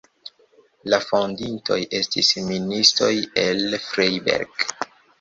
La fondintoj estis ministoj el Freiberg.